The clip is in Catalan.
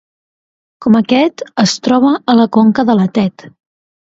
Com aquest, es troba a la conca de la Tet.